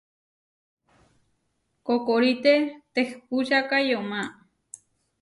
Kokoríʼte tehpúčaka yomá.